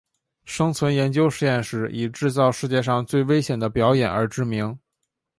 生存研究实验室以制造世界上最危险的表演而知名。